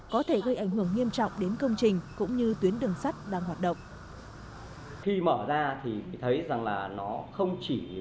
có thể gây ảnh hưởng nghiêm trọng đến công trình cũng như tuyến đường sắt đang hoạt động